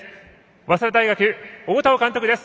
早稲田大学、大田尾監督です。